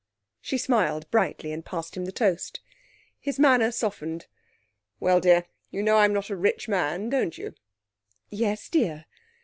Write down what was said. She smiled brightly, and passed him the toast. His manner softened. 'Well, dear, you know I'm not a rich man, don't you?' 'Yes, dear.'